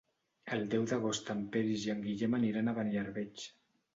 El deu d'agost en Peris i en Guillem aniran a Beniarbeig.